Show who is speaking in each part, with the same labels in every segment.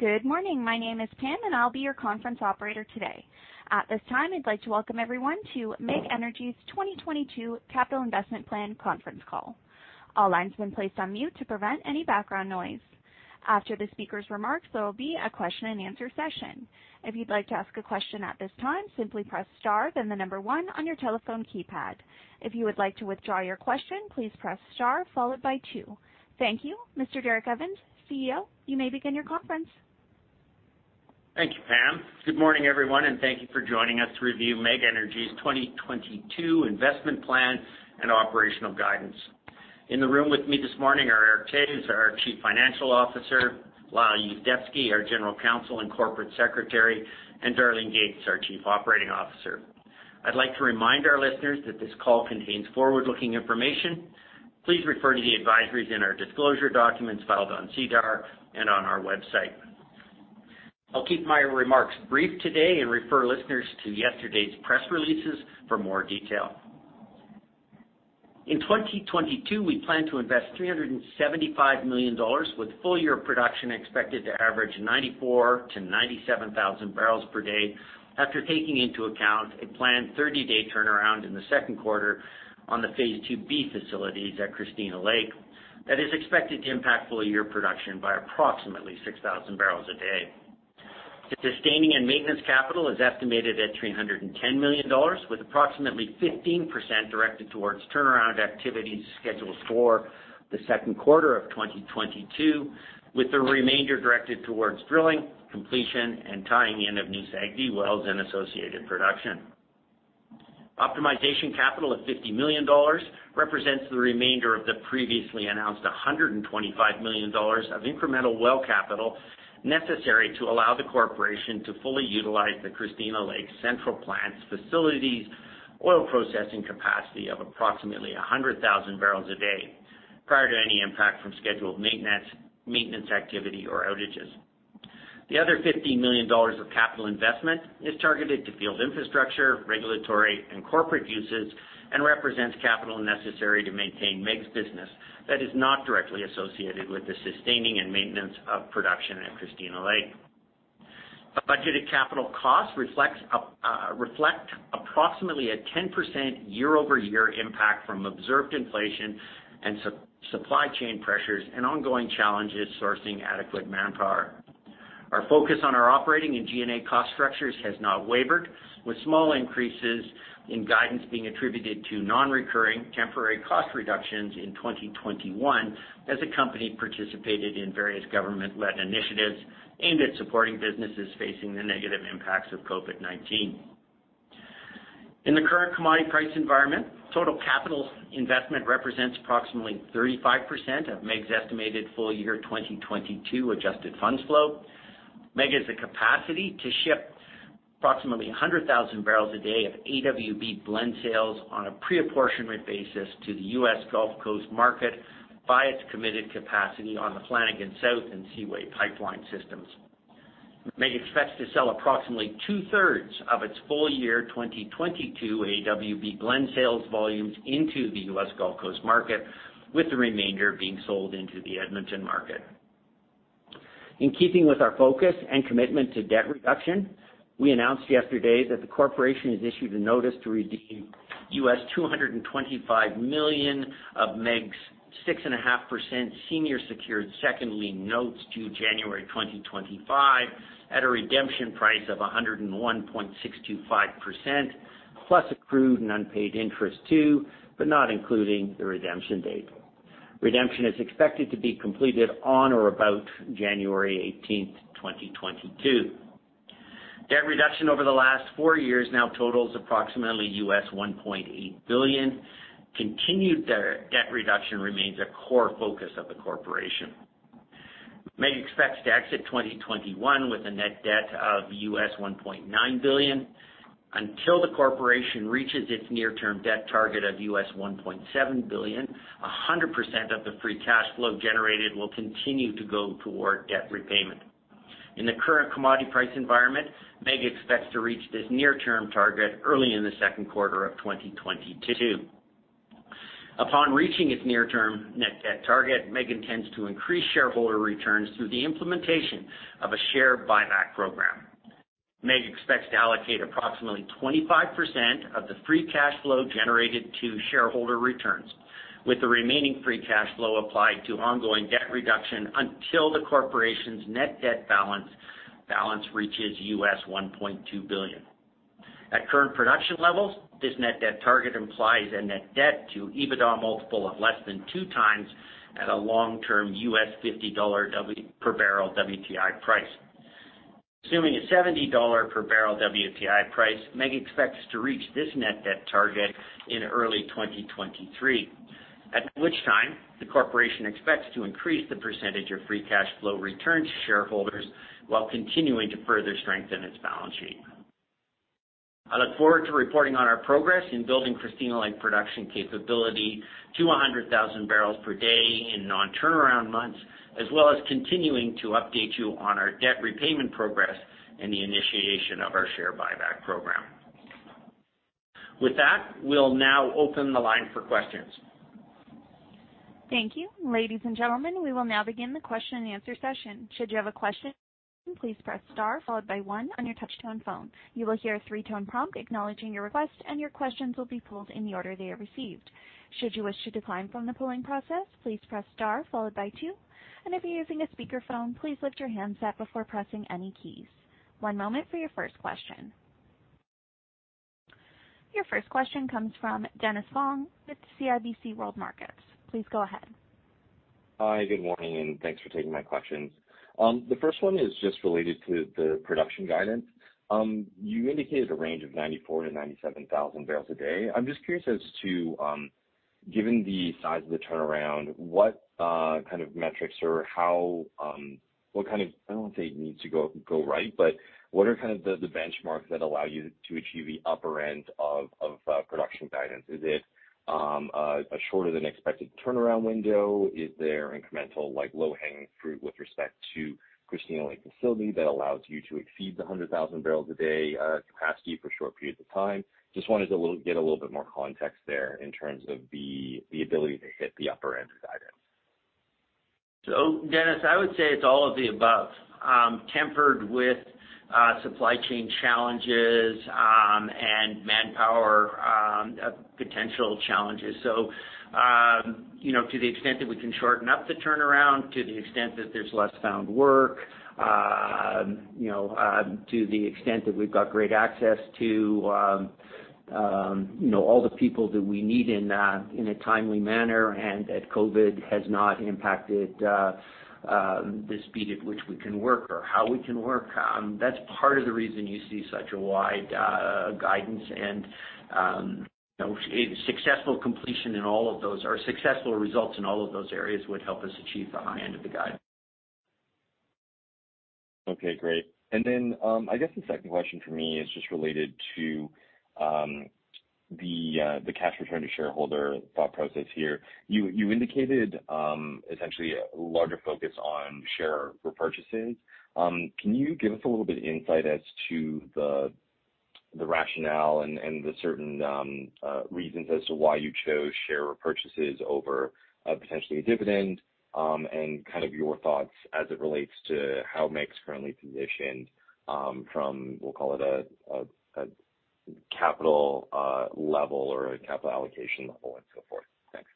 Speaker 1: Good morning. My name is Pam, and I'll be your conference operator today. At this time, I'd like to welcome everyone to MEG Energy's 2022 Capital Investment Plan conference call. All lines have been placed on mute to prevent any background noise. After the speaker's remarks, there will be a question and answer session. If you'd like to ask a question at this time, simply press star then 1 on your telephone keypad. If you would like to withdraw your question, please press star followed by 2. Thank you. Mr. Derek Evans, CEO, you may begin your conference.
Speaker 2: Thank you, Pam. Good morning, everyone, and thank you for joining us to review MEG Energy's 2022 investment plan and operational guidance. In the room with me this morning are Ryan Kubik, who's our Chief Financial Officer, Lyle Yuzdepski, our General Counsel and Corporate Secretary, and Darlene Gates, our Chief Operating Officer. I'd like to remind our listeners that this call contains forward-looking information. Please refer to the advisories in our disclosure documents filed on SEDAR and on our website. I'll keep my remarks brief today and refer listeners to yesterday's press releases for more detail. In 2022, we plan to invest 375 million dollars with full-year production expected to average 94,000-97,000 barrels per day, after taking into account a planned 30-day turnaround in the second quarter on the Phase 2B facilities at Christina Lake. That is expected to impact full-year production by approximately 6,000 barrels a day. The sustaining and maintenance capital is estimated at $310 million, with approximately 15% directed towards turnaround activities scheduled for the second quarter of 2022, with the remainder directed towards drilling, completion, and tying in of new SAGD wells and associated production. Optimization capital of $50 million represents the remainder of the previously announced $125 million of incremental well capital necessary to allow the corporation to fully utilize the Christina Lake central plant's facilities oil processing capacity of approximately 100,000 barrels a day, prior to any impact from scheduled maintenance activity or outages. The other $50 million of capital investment is targeted to field infrastructure, regulatory, and corporate uses and represents capital necessary to maintain MEG's business that is not directly associated with the sustaining and maintenance of production at Christina Lake. The budgeted capital costs reflect approximately a 10% year-over-year impact from observed inflation and supply chain pressures and ongoing challenges sourcing adequate manpower. Our focus on our operating and G&A cost structures has not wavered, with small increases in guidance being attributed to non-recurring temporary cost reductions in 2021, as the company participated in various government-led initiatives aimed at supporting businesses facing the negative impacts of COVID-19. In the current commodity price environment, total capital investment represents approximately 35% of MEG's estimated full year 2022 adjusted funds flow. MEG has the capacity to ship approximately 100,000 barrels a day of AWB blend sales on a pre-apportionment basis to the U.S. Gulf Coast market via its committed capacity on the Flanagan South and Seaway pipeline systems. MEG expects to sell approximately two-thirds of its full year 2022 AWB blend sales volumes into the U.S. Gulf Coast market, with the remainder being sold into the Edmonton market. In keeping with our focus and commitment to debt reduction, we announced yesterday that the corporation has issued a notice to redeem US $225 million of MEG's 6.50% senior secured second lien notes due 2025 at a redemption price of 101.625%, plus accrued and unpaid interest too, but not including the redemption date. Redemption is expected to be completed on or about January 18th, 2022. Debt reduction over the last four years now totals approximately US $1.8 billion. Continued debt reduction remains a core focus of the corporation. MEG expects to exit 2021 with a net debt of US $1.9 billion. Until the corporation reaches its near-term debt target of US $1.7 billion, 100% of the free cash flow generated will continue to go toward debt repayment. In the current commodity price environment, MEG expects to reach this near-term target early in the second quarter of 2022. Upon reaching its near-term net debt target, MEG intends to increase shareholder returns through the implementation of a share buyback program. MEG expects to allocate approximately 25% of the free cash flow generated to shareholder returns, with the remaining free cash flow applied to ongoing debt reduction until the corporation's net debt balance reaches US $1.2 billion. At current production levels, this net debt target implies a net debt to EBITDA multiple of less than two times at a long-term US $50 per barrel WTI price. Assuming a $70 per barrel WTI price, MEG expects to reach this net debt target in early 2023. At which time, the corporation expects to increase the percentage of free cash flow returned to shareholders while continuing to further strengthen its balance sheet. I look forward to reporting on our progress in building Christina Lake production capability to 100,000 barrels per day in non-turnaround months, as well as continuing to update you on our debt repayment progress and the initiation of our share buyback program.
Speaker 3: With that, we'll now open the line for questions.
Speaker 1: Thank you. Ladies and gentlemen, we will now begin the question and answer session. Your first question comes from Dennis Fong with CIBC World Markets. Please go ahead.
Speaker 4: Hi, good morning, and thanks for taking my questions. The first one is just related to the production guidance. You indicated a range of 94,000-97,000 barrels a day. I'm just curious as to, given the size of the turnaround, what kind of metrics or what kind of, I don't want to say needs to go right, but what are the benchmarks that allow you to achieve the upper end of production guidance? Is it a shorter than expected turnaround window? Is there incremental low-hanging fruit with respect to Christina Lake facility that allows you to exceed the 100,000 barrels a day capacity for short periods of time? Just wanted to get a little bit more context there in terms of the ability to hit the upper end of guidance.
Speaker 2: Dennis, I would say it's all of the above, tempered with supply chain challenges and manpower potential challenges. To the extent that we can shorten up the turnaround, to the extent that there's less found work, to the extent that we've got great access to all the people that we need in a timely manner and that COVID has not impacted the speed at which we can work or how we can work. That's part of the reason you see such a wide guidance and successful results in all of those areas would help us achieve the high end of the guidance.
Speaker 4: Okay, great. I guess the second question for me is just related to the cash return to shareholder thought process here. You indicated essentially a larger focus on share repurchases. Can you give us a little bit of insight as to the rationale and the certain reasons as to why you chose share repurchases over potentially a dividend, and your thoughts as it relates to how MEG's currently positioned from, we'll call it a capital level or a capital allocation level and so forth? Thanks.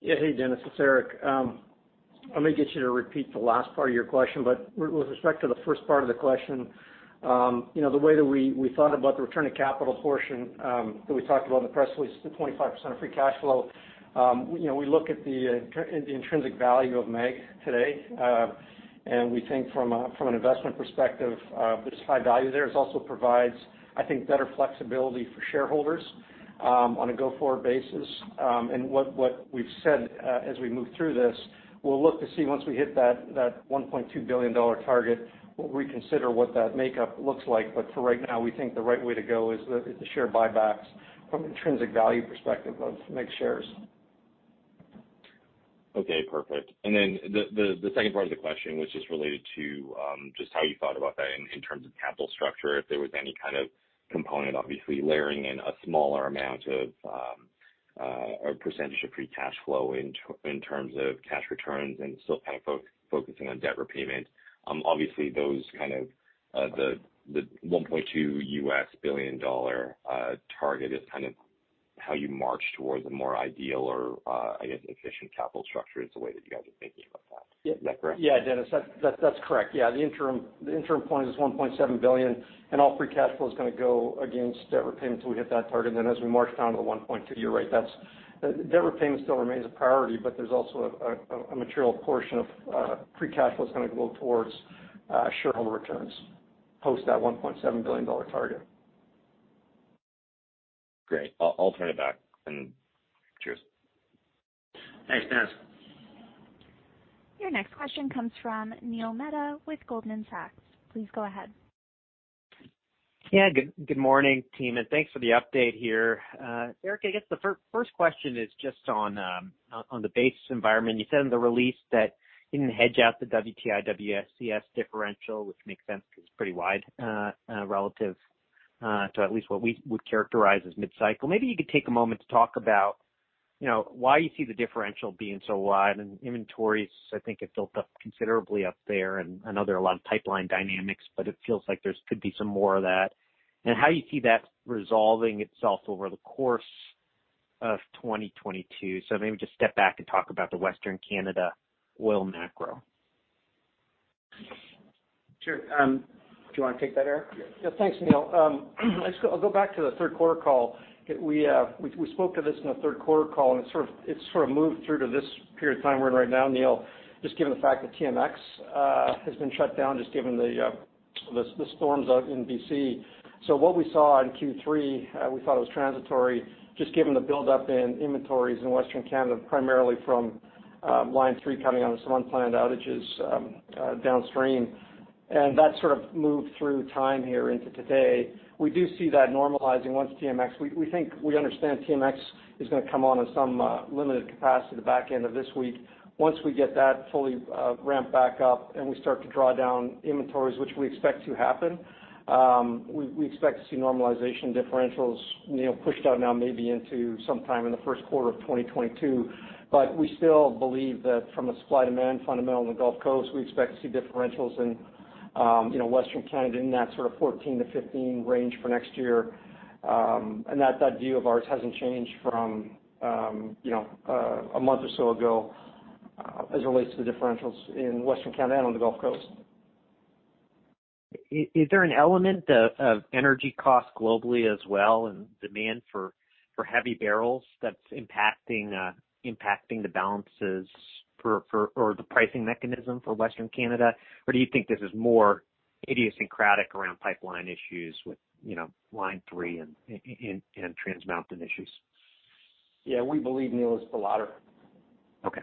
Speaker 3: Yeah. Hey, Dennis. It's Ryan. I may get you to repeat the last part of your question, with respect to the first part of the question, the way that we thought about the return of capital portion that we talked about in the press release, the 25% free cash flow. We look at the intrinsic value of MEG today, and we think from an investment perspective, there's high value there. It also provides, I think, better flexibility for shareholders on a go-forward basis. What we've said as we move through this, we'll look to see once we hit that $1.2 billion target, we'll reconsider what that makeup looks like. For right now, we think the right way to go is the share buybacks from an intrinsic value perspective of MEG shares.
Speaker 4: Okay, perfect. The second part of the question was just related to just how you thought about that in terms of capital structure, if there was any kind of component, obviously layering in a smaller amount of, or percentage of free cash flow in terms of cash returns and still focusing on debt repayment. Obviously the $1.2 billion target is how you march towards a more ideal or I guess efficient capital structure is the way that you guys are thinking about that. Is that correct?
Speaker 3: Yeah, Dennis, that's correct. Yeah. The interim point is 1.7 billion, and all free cash flow is going to go against debt repayment until we hit that target. As we march down to 1.2 billion, you're right. Debt repayment still remains a priority, there's also a material portion of free cash flow that's going to go towards shareholder returns post that $1.7 billion target.
Speaker 4: Great. I'll turn it back, and cheers.
Speaker 3: Thanks, Dennis.
Speaker 1: Your next question comes from Neil Mehta with Goldman Sachs. Please go ahead.
Speaker 5: Good morning, team, and thanks for the update here. Ryan, I guess the first question is just on the basis environment. You said in the release that you didn't hedge out the WTI/WCS differential, which makes sense because it's pretty wide, relative to at least what we would characterize as mid-cycle. Maybe you could take a moment to talk about why you see the differential being so wide and inventories I think have built up considerably up there, and I know there are a lot of pipeline dynamics, but it feels like there could be some more of that. How do you see that resolving itself over the course of 2022? Maybe just step back and talk about the Western Canada oil macro.
Speaker 2: Sure. Do you want to take that, Ryan? Yeah. Thanks, Neil. I'll go back to the third quarter call. We spoke of this in the third quarter call, and it's sort of moved through to this period of time we're in right now, Neil, just given the fact that TMX has been shut down, just given the storms out in B.C. What we saw in Q3 we thought was transitory just given the buildup in inventories in Western Canada, primarily from. Line 3 coming on with some unplanned outages downstream. That sort of moved through time here into today. We do see that normalizing once TMX, we think, we understand TMX is going to come on in some limited capacity the back end of this week. Once we get that fully ramped back up and we start to draw down inventories, which we expect to happen, we expect to see normalization differentials pushed out now maybe into sometime in the first quarter of 2022. We still believe that from a supply demand fundamental in the Gulf Coast, we expect to see differentials in Western Canada in that sort of 14-15 range for next year. That view of ours hasn't changed from a month or so ago as it relates to the differentials in Western Canada and on the Gulf Coast.
Speaker 5: Is there an element of energy cost globally as well and demand for heavy barrels that's impacting the balances or the pricing mechanism for Western Canada? Do you think this is more idiosyncratic around pipeline issues with Line three and Trans Mountain issues?
Speaker 3: Yeah. We believe, Neil, it's the latter.
Speaker 5: Okay.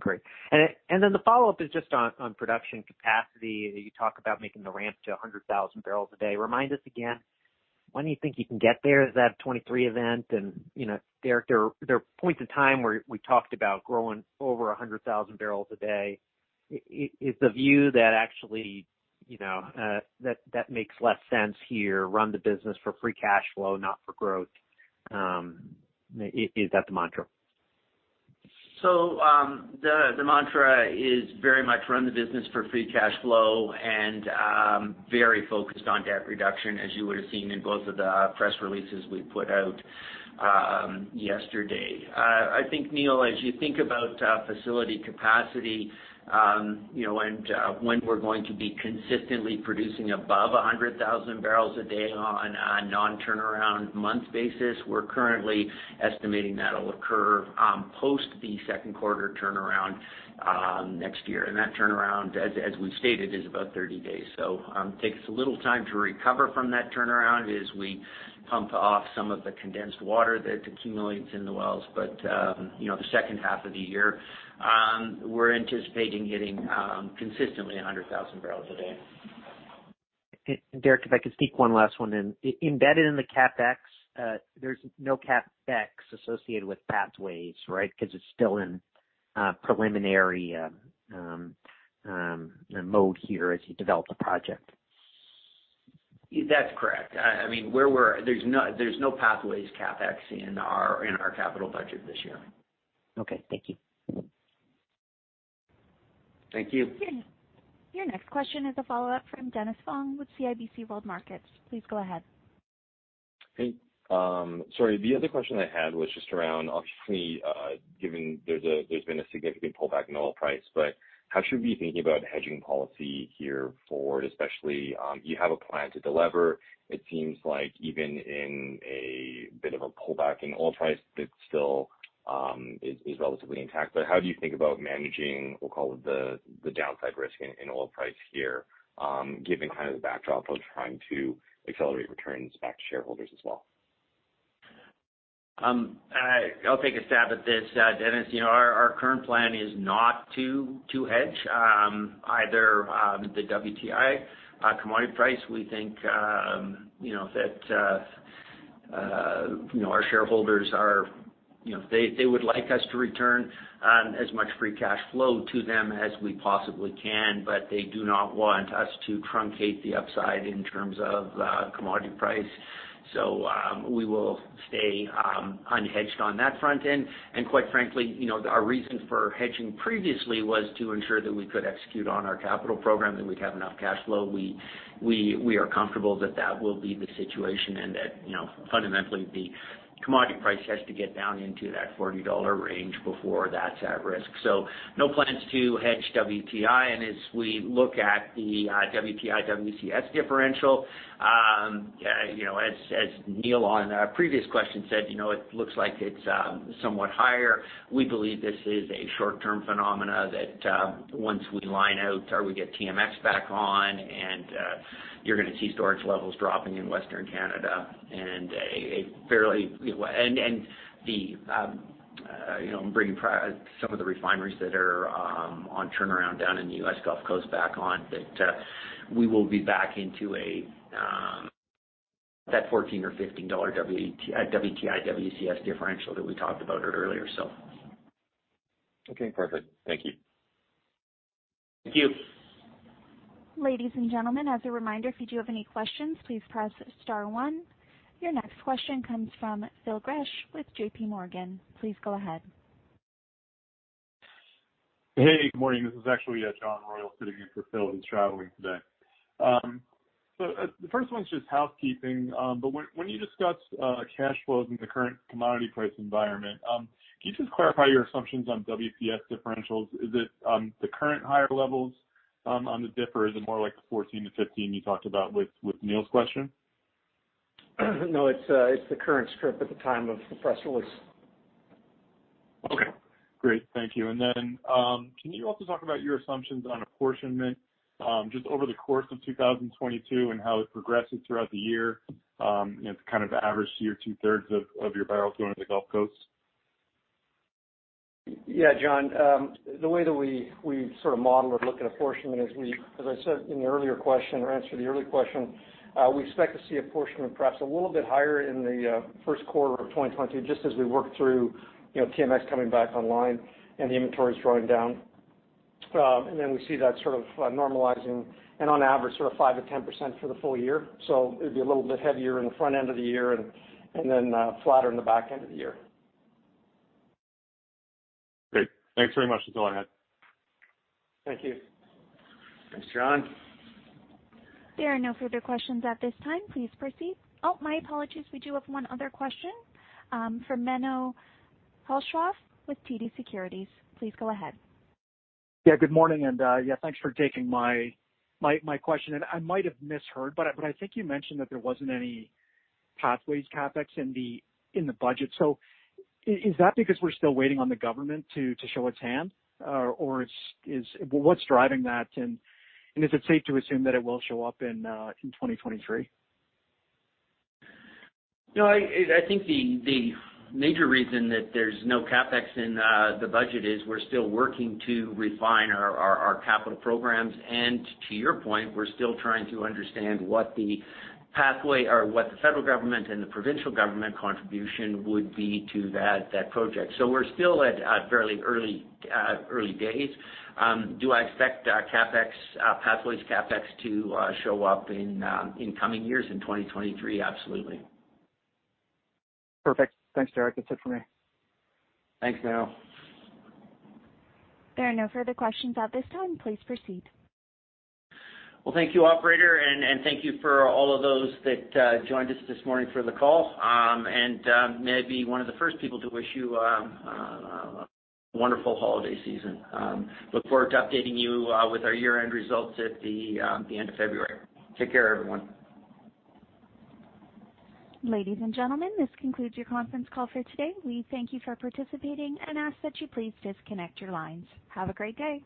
Speaker 5: Great. The follow-up is just on production capacity. You talk about making the ramp to 100,000 barrels a day. Remind us again, when you think you can get there, is that a 2023 event? There are points in time where we talked about growing over 100,000 barrels a day. Is the view that actually makes less sense here, run the business for free cash flow, not for growth? Is that the mantra?
Speaker 2: The mantra is very much run the business for free cash flow and very focused on debt reduction, as you would've seen in both of the press releases we put out yesterday. I think, Neil, as you think about facility capacity, and when we're going to be consistently producing above 100,000 barrels a day on a non-turnaround month basis, we're currently estimating that'll occur post the second quarter turnaround next year. That turnaround, as we've stated, is about 30 days. Takes a little time to recover from that turnaround as we pump off some of the condensed water that accumulates in the wells. The second half of the year, we're anticipating hitting consistently 100,000 barrels a day.
Speaker 5: Derek, if I could sneak one last one in. Embedded in the CapEx, there's no CapEx associated with Pathways, right? Because it's still in preliminary mode here as you develop the project.
Speaker 2: That's correct. There's no Pathways CapEx in our capital budget this year.
Speaker 5: Okay. Thank you.
Speaker 2: Thank you.
Speaker 1: Your next question is a follow-up from Dennis Fong with CIBC World Markets. Please go ahead.
Speaker 4: Hey. Sorry, the other question I had was just around, obviously, given there's been a significant pullback in oil price, but how should we be thinking about hedging policy here forward, especially, you have a plan to delever. It seems like even in a bit of a pullback in oil price, that still is relatively intact. How do you think about managing, we'll call it the downside risk in oil price here, given the backdrop of trying to accelerate returns back to shareholders as well?
Speaker 2: I'll take a stab at this, Dennis. Our current plan is not to hedge, either the WTI commodity price. We think that our shareholders. They would like us to return as much free cash flow to them as we possibly can, they do not want us to truncate the upside in terms of commodity price. We will stay unhedged on that front end. Quite frankly, our reason for hedging previously was to ensure that we could execute on our capital program, that we'd have enough cash flow. We are comfortable that that will be the situation and that fundamentally the commodity price has to get down into that $40 range before that's at risk. No plans to hedge WTI. As we look at the WTI WCS differential, as Neil on a previous question said, it looks like it's somewhat higher. We believe this is a short-term phenomena that once we line out or we get TMX back on and you're going to see storage levels dropping in Western Canada and bringing some of the refineries that are on turnaround down in the U.S. Gulf Coast back on, that we will be back into that $14 or $15 WTI WCS differential that we talked about earlier, so.
Speaker 4: Okay, perfect. Thank you.
Speaker 2: Thank you.
Speaker 1: Ladies and gentlemen, as a reminder, if you do have any questions, please press star one. Your next question comes from Phil Gresh with JPMorgan. Please go ahead.
Speaker 6: Good morning. This is actually John Royall sitting in for Phil, who's traveling today. The first one's just housekeeping. When you discuss cash flows in the current commodity price environment, can you just clarify your assumptions on WCS differentials? Is it the current higher levels, is it more like the 14-15 you talked about with Neil's question?
Speaker 2: No, it's the current strip at the time of the press release.
Speaker 6: Okay, great. Thank you. Can you also talk about your assumptions on apportionment, just over the course of 2022 and how it progresses throughout the year, the average two-thirds of your barrels going to the Gulf Coast?
Speaker 3: John, the way that we model or look at apportionment is, as I said in the earlier question or answered the earlier question, we expect to see apportionment pressure a little bit higher in the first quarter of 2022, just as we work through TMX coming back online and the inventories drawing down. We see that sort of normalizing and on average sort of 5%-10% for the full year. It'd be a little bit heavier in the front end of the year and then flatter in the back end of the year.
Speaker 6: Great. Thanks very much for going ahead.
Speaker 3: Thank you.
Speaker 2: Thanks, John.
Speaker 1: There are no further questions at this time. Please proceed. Oh, my apologies. We do have one other question, from Menno Hulshof with TD Securities. Please go ahead.
Speaker 7: Yeah, good morning, and thanks for taking my question. I might have misheard, but I think you mentioned that there wasn't any Pathways CapEx in the budget. Is that because we're still waiting on the government to show its hand? What's driving that? Is it safe to assume that it will show up in 2023?
Speaker 2: No, I think the major reason that there's no CapEx in the budget is we're still working to refine our capital programs. To your point, we're still trying to understand what the pathway or what the federal government and the provincial government contribution would be to that project. We're still at fairly early days. Do I expect Pathways CapEx to show up in coming years, in 2023? Absolutely.
Speaker 7: Perfect. Thanks, Derek. It's helpful.
Speaker 3: Thanks, Menno.
Speaker 1: There are no further questions at this time. Please proceed.
Speaker 3: Well, thank you, operator. Thank you for all of those that joined us this morning for the call. May I be one of the first people to wish you a wonderful holiday season. Look forward to updating you with our year-end results at the end of February. Take care, everyone.
Speaker 1: Ladies and gentlemen, this concludes your conference call for today. We thank you for participating and ask that you please disconnect your lines. Have a great day.